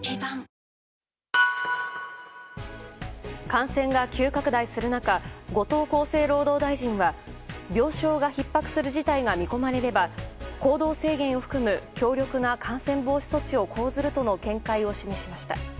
感染が急拡大する中後藤厚生労働大臣は病床がひっ迫する事態が見込まれれば、行動制限を含む強力な感染防止措置を講ずるとの見解を示しました。